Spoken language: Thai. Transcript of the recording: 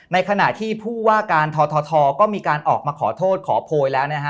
ในขณะที่ผู้ว่าการททก็มีการออกมาขอโทษขอโพยแล้วนะฮะ